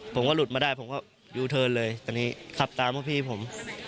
ผมก็หลุดมาได้ผมก็ยูเทิร์นเลยตอนนี้ขับตามพวกพี่ผม